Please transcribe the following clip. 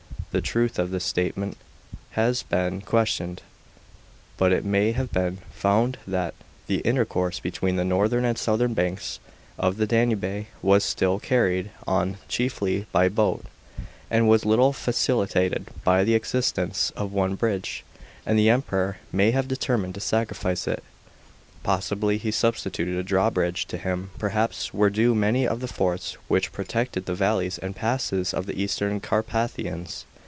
The truth of this statement has been questioned ; but it may have been found that the intercourse be tween the northern and southern banks of the Danube was still carried on chiefly by boat, and was little facilitated by the existence of one bridge, and the Emperor may have determined to sacrifice it. Possibly he substituted a drawbridge. To him, perhaps, were due many of the forts which protected the valleys and passes of the eastern Carpathians.